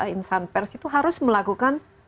insan pers itu harus melakukan